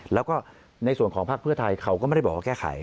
แล้วก็ในส่วนของภาคเพื่อไทยเขาก็ไม่ได้บอกว่าแก้ไข